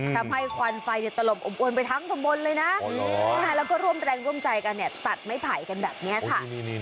ทำให้ควันไฟเนี้ยตลบอบไปทั้งข้างบนเลยน่ะแล้วก็ร่วมแรงร่วมใจกันเนี้ยตัดไม่ไผ่กันแบบเนี้ยค่ะ